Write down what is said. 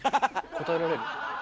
答えられる？